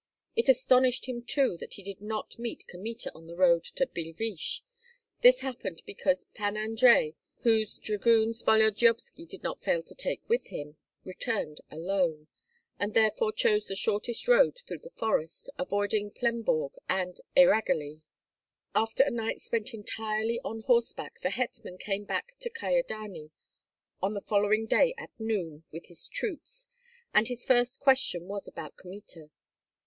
It astonished him too that he did not meet Kmita on the road to Billeviche; this happened because Pan Andrei, whose dragoons Volodyovski did not fail to take with him, returned alone, and therefore chose the shortest road through the forest, avoiding Plemborg and Eyragoly. After a night spent entirely on horseback the hetman came back to Kyedani on the following day at noon with his troops, and his first question was about Kmita.